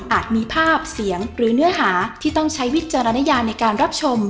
มีภาพเสียงหรือเนื้อหาที่ต้องใช้วิจารณญาในการรับชม